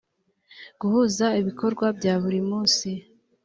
guhuza ibikorwa bya buri munsi